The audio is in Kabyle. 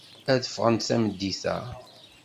Ad ffɣent tameddit-a.